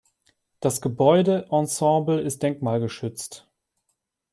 Das Gebäudeensemble ist denkmalgeschützt.